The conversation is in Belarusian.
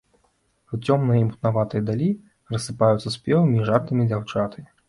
У цёмнай і мутнаватай далі рассыпаюцца спевамі і жартамі дзяўчаты.